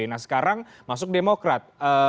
nah sekarang masuk demokrat